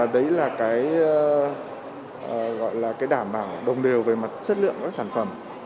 đấy là cái đảm bảo đồng đều về mặt chất lượng các sản phẩm